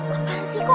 apaan sih kok